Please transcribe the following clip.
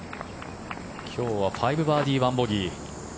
今日は５バーディー、１ボギー。